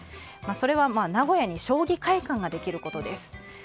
それは名古屋に将棋会館ができることです。